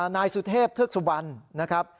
นายสุเทพธศึกษวรรณนะครับ